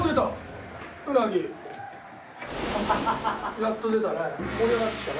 やっと出たね。